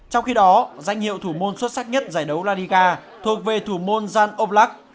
trong khi đó danh hiệu thủ môn xuất sắc nhất giải đấu la liga thuộc về thủ môn jan oblak